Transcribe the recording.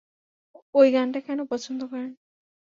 ওই গানটা কেন পছন্দ করেন?